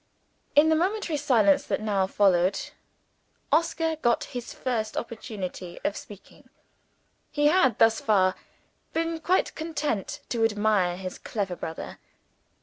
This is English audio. In the momentary silence that now followed, Oscar got his first opportunity of speaking. He had, thus far, been quite content to admire his clever brother.